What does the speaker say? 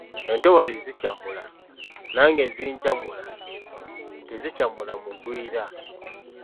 "Entobazzi zikyamula , nange zinkyamula , tezikyamula mugwira?"